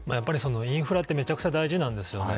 インフラってめちゃくちゃ大事なんですよね。